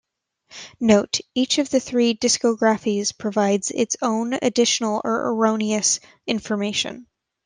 Note: each of the three discographies provides its own additional or erroneous information.